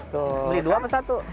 beli dua apa satu